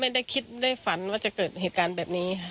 ไม่ได้คิดได้ฝันว่าจะเกิดเหตุการณ์แบบนี้ค่ะ